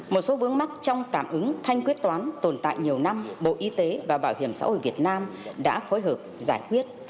một số vướng mắt trong tạm ứng thanh quyết toán tồn tại nhiều năm bộ y tế và bảo hiểm xã hội việt nam đã phối hợp giải quyết